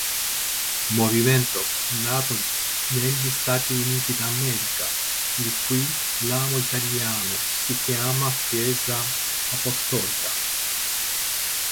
Movimento nato negli Stati Uniti d'America, il cui ramo italiano si chiama Chiesa apostolica.